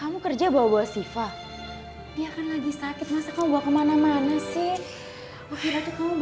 makasih ya pak